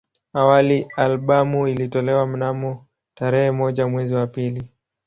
Awali albamu ilitolewa mnamo tarehe moja mwezi wa pili